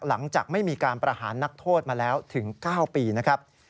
หลังจากไม่มีการประหารนักโทษมาแล้วถึง๙ปีนะครับ